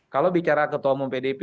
kalau bicara ketua umum pdip